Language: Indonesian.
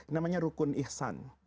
namanya rukun ihsan